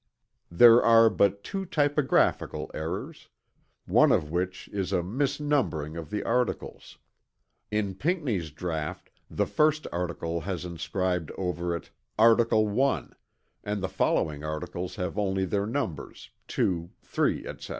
There are but two typographical errors, one of which is a misnumbering of the articles. In Pinckney's draught the first article has inscribed over it "Article 1" and the following articles have only their numbers 2, 3, etc.